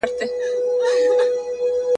اوس چي هر مُلا ته وایم خپل خوبونه ,